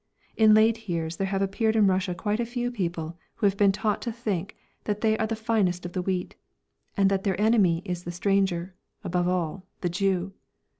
In late years there have appeared in Russia quite a few people who have been taught to think that they are the finest of the wheat, and that their enemy is the stranger, above all the Jew.